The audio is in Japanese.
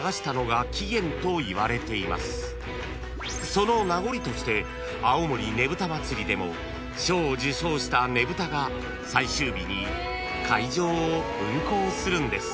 ［その名残として青森ねぶた祭でも賞を受賞したねぶたが最終日に海上を運行するんです］